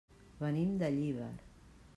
Venim de Llíber.